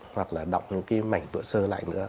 hoặc là đọng những cái mảnh vữa sơ lại nữa